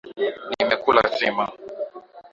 Nimekula sima.